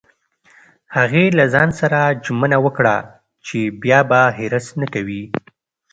هغې له ځان سره ژمنه وکړه چې بیا به حرص نه کوي